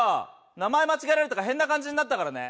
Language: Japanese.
名前間違えられて変な感じになったからね。